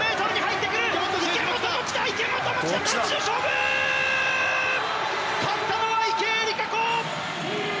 勝ったのは池江璃花子！